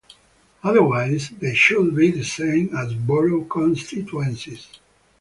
Otherwise they should be designated as borough constituencies.